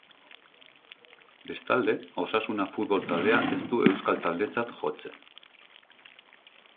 Bestalde, Osasuna futbol taldea ez du euskal taldetzat jotzen.